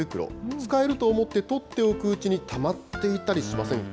使えると思って取っておくうちにたまっていたりしませんか？